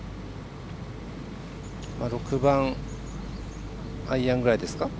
６番アイアンぐらいですか。